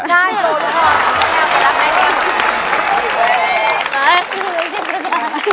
ใช่โดนค่ะ